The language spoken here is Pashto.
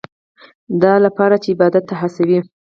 دا لپاره چې عبادت ته هڅوي.